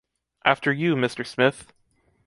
After you, Mr. Smith!